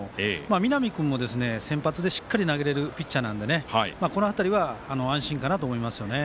南君も先発で、しっかり投げれるピッチャーなんでこの辺りは安心かなと思います。